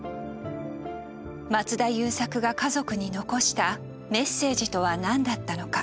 松田優作が家族に残したメッセージとは何だったのか。